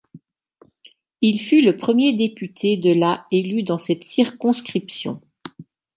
Il fut le premier député de la élu dans cette circonscription.